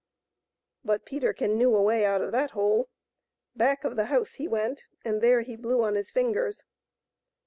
But Peterkin knew a way out of that hole. Back of the house he went, and there he blew on his fingers.